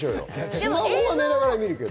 スマホは寝ながら見るけど。